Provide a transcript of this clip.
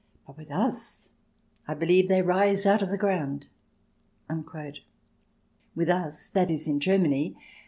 But with us, I believe, they rise out of the ground." With US — that is, in Germany.